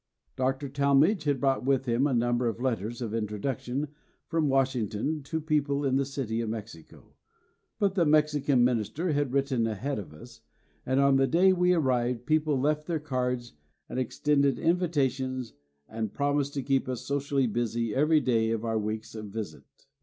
Dr. Talmage had brought with him a number of letters of introduction from Washington to people in the City of Mexico, but the Mexican minister had written ahead of us, and on the day we arrived people left their cards and extended invitations that promised to keep us socially busy every day of our week's visit.